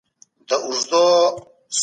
خپل ځان له ناوړه عادتونو وساتئ.